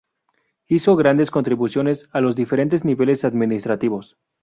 Hizo grandes contribuciones a los diferentes niveles administrativos.